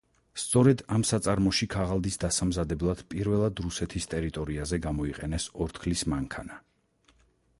სწორედ ამ საწარმოში ქაღალდის დასამზადებლად პირველად რუსეთის ტერიტორიაზე გამოიყენეს ორთქლის მანქანა.